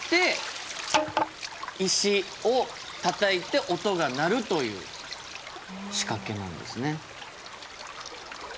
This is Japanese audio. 石をたたいて音が鳴るという仕掛けなんですね。